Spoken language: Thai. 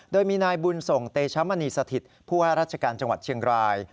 โดยมีนายบุญส่งเตชมณีสถิตผู้ว่าราชการจังหวัดเชียงราย